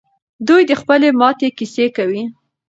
دوی د خپلې ماتې کیسه کوي.